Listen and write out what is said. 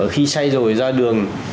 khi say rồi ra đường